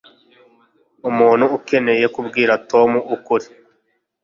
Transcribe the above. umuntu akeneye kubwira tom ukuri